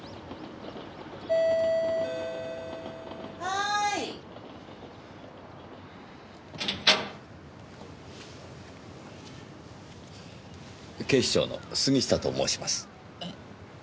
はーい！警視庁の杉下と申します。